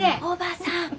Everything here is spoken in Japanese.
おばさん！